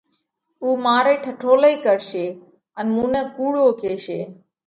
اُو مارئِي ٺٺولئِي ڪرشي ان مُون نئہ ڪُوڙو ڪيشي۔